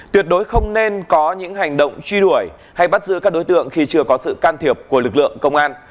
tuyệt đối không nên có những hành động truy đuổi hay bắt giữ các đối tượng khi chưa có sự can thiệp của lực lượng công an